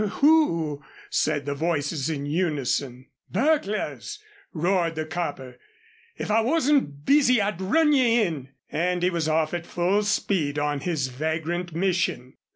"W who?" said the voices in unison. "Burglars," roared the copper. "If I wasn't busy I'd run ye in." And he was off at full speed on his vagrant mission.